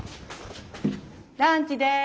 ランチです。